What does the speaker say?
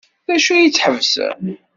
D acu ay tt-iḥebsen?